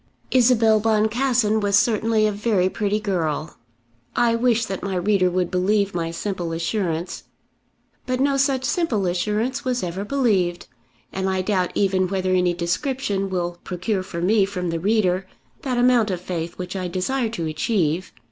Isabel Boncassen was certainly a very pretty girl. I wish that my reader would believe my simple assurance. But no such simple assurance was ever believed, and I doubt even whether any description will procure for me from the reader that amount of faith which I desire to achieve.